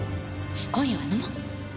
今夜は飲もう！